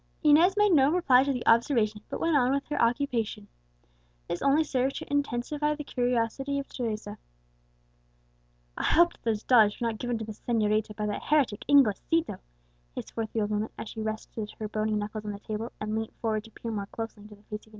Inez made no reply to the observation, but went on with her occupation. This only served to intensify the curiosity of Teresa. "I hope that those dollars were not given to the señorita by that heretic Inglesito," hissed forth the old woman, as she rested her bony knuckles on the table, and leant forward to peer more closely into the face of Inez.